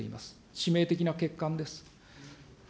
致命的な欠陥です。